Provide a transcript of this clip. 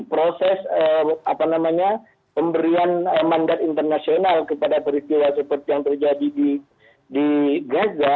proses pemberian mandat internasional kepada peristiwa seperti yang terjadi di gaza